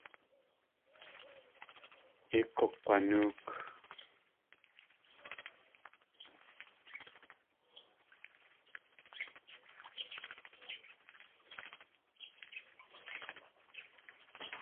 Yéi k̲ukg̲wanóok.